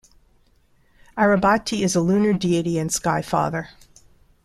Arebati is a lunar deity and Sky Father.